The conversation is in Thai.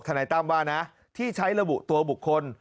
นายตั้มว่านะที่ใช้ระบุตัวบุคคล